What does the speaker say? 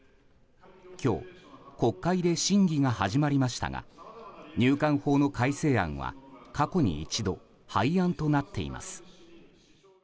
今日、国会で審議が始まりましたが入管法の改正案は過去に一度廃案となっています。